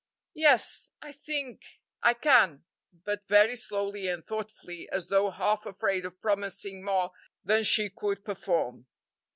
"Yes I think I can," but very slowly and thoughtfully, as though half afraid of promising more than she could perform.